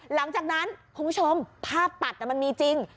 หลังจากนั้นคุณผู้ชมภาพตัดมันมีจริง